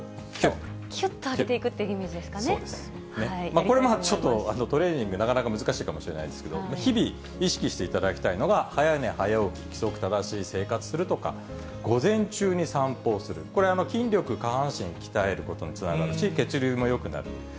これもちょっとトレーニング、なかなか難しいかもしれないですけど、日々、意識していただきたいのが、早寝早起き、規則正しい生活するとか、午前中に散歩をする、これ筋力、下半身鍛えることにつながるし、血流もよくなる。